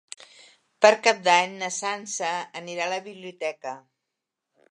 Per Cap d'Any na Sança anirà a la biblioteca.